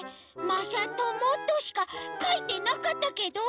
まさとも」としかかいてなかったけど？